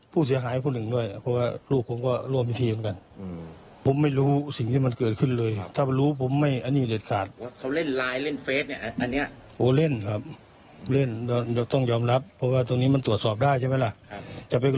ผู้เสียหายคนหนึ่งด้วยเพราะว่าลูกผมก็ร่วมพิธีเหมือนกัน